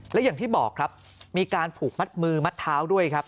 และอย่างที่บอกครับมีการผูกมัดมือมัดเท้าด้วยครับ